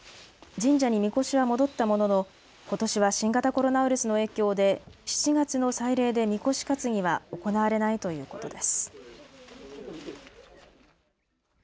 神社にみこしは戻ったものの、ことしは新型コロナウイルスの影響で７月の祭礼でみこし担ぎは行われないということです。